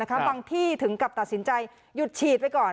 บางที่ถึงกับตัดสินใจหยุดฉีดไปก่อน